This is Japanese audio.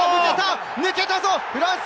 抜けたぞフランス！